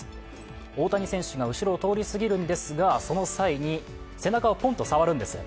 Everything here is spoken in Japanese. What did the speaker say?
大谷選手が後ろを通り過ぎるんですが、その際に背中をポンと触るんですよ。